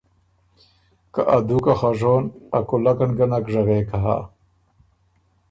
که ا دُوکه خه ژون، ا کُولکن ګه نک ژغېک هۀ“